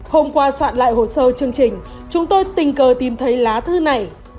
hôm qua soạn lại hồ sơ chương trình chúng tôi tình cờ tìm thấy lá thư này